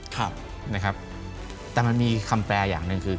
แต่มันมีคำแปลอย่างนึงคือ